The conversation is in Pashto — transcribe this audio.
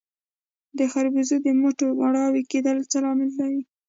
د خربوزو د بوټو مړاوي کیدل څه لامل لري؟